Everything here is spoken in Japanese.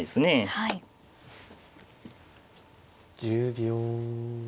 １０秒。